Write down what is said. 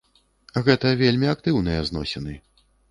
Гэта вельмі актыўныя зносіны.